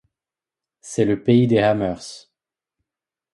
C'est le pays des Hamers.